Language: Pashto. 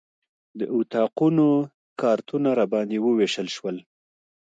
د اتاقونو کارتونه راباندې وویشل شول.